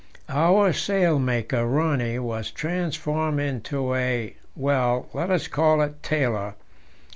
Our sailmaker, Rönne, was transformed into a well, let us call it tailor.